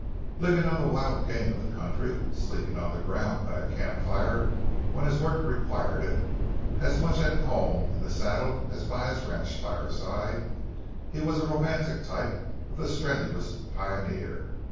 Living on the wild game of the country, sleeping on the ground by a camp fire when his work required it, as much at home in the saddle as by his ranch fireside, he was a romantic type of the strenuous pioneer.